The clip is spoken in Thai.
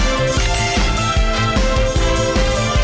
วันนี้ค่ะ